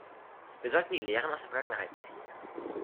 Wir sollten die Lehren aus der Vergangenheit ziehen.